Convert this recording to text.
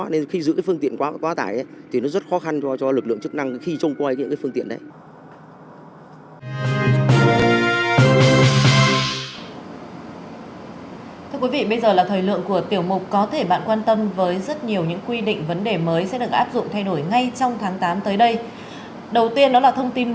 nên khi giữ cái phương tiện quá tải thì nó rất khó khăn cho lực lượng chức năng khi trông quay những cái phương tiện đấy